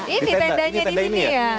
ini tendanya di sini ya